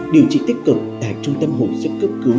điều trị tích cực tại trung tâm hội sức cấp cứu